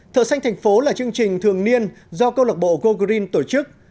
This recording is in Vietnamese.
thợ xanh thành phố là chương trình thường niên do câu lạc bộ go green tổ chức